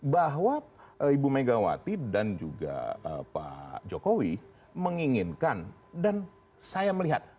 bahwa ibu megawati dan juga pak jokowi menginginkan dan saya melihat